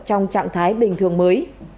trong trạng thái bình thường mới